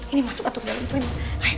ini masuk atau ke dalam slima